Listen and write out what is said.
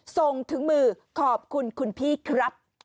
ส่งถึงมือขอบคุณคุณพี่ครับ